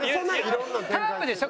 カープでしょ？